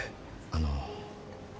あの。